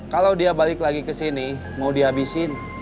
kalau dia balik lagi ke sini mau dihabisin